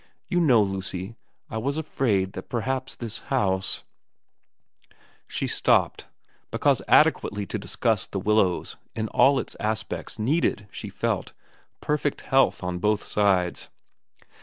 ' You know, Lucy, I was afraid that perhaps this house ' She stopped, because adequately to discuss The 326 VERA Willows in all its aspects needed, she felt, perfect health on both sides.